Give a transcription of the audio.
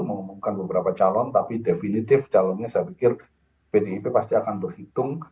mengumumkan beberapa calon tapi definitif calonnya saya pikir pdip pasti akan berhitung